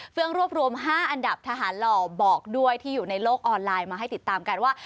รวบรวม๕อันดับทหารหล่อบอกด้วยที่อยู่ในโลกออนไลน์มาให้ติดตามกันว่า